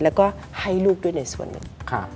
แล้วก็ให้ลูกด้วยในส่วนหนึ่ง